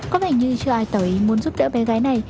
có vẻ như chưa ai tỏ ý muốn giúp đỡ bé gái này